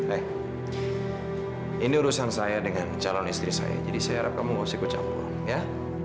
eh ini urusan saya dengan calon istri saya jadi saya harap kamu mau seku campur ya